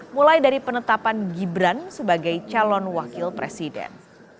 mulai dari penetapan gibran sebagai calon wakil presiden